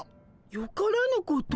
よからぬこと？